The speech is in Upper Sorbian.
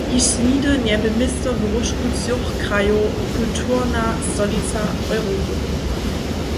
Hišće nihdy njebě město w róžku třoch krajow kulturna stolica Europy.